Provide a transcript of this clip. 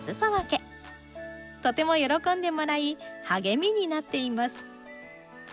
とても喜んでもらい励みになっています。